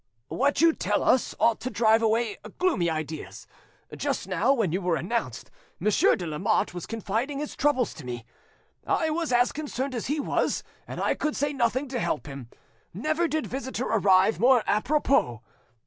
"What you tell us ought to drive away gloomy ideas. Just now, when you were announced, Monsieur de Lamotte was confiding his troubles to me. I was as concerned as he was, and I could say nothing to help him; never did visitor arrive more apropos.